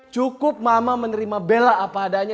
cukup mama menerima bela apa adanya